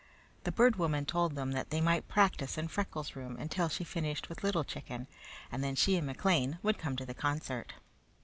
The Bird Woman told them that they might practice in Freckles' room until she finished with Little Chicken, and then she and McLean would come to the concert.